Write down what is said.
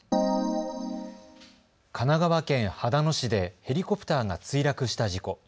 神奈川県秦野市でヘリコプターが墜落した事故。